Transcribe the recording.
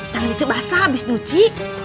tangan cuy basah abis nuci